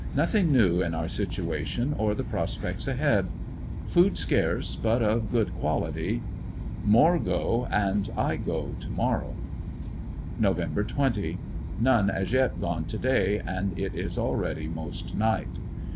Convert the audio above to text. Nothing new in our situation or the prospects ahead Food scarce, but of good quality. More go and I go to morrow. ANDERSONVILLE DIAB Y. 1 19 Nov 20. — None as yet gone to day and it is already most night.